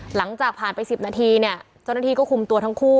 หลังจากผ่านไป๑๐นาทีเนี่ยเจ้าหน้าที่ก็คุมตัวทั้งคู่